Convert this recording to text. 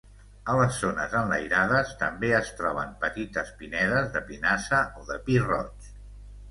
A les zones enlairades, també es troben petites pinedes de pinassa o de pi roig.